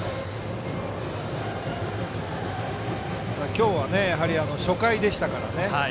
今日は初回でしたからね。